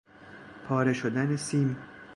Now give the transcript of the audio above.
پاره شدن سیم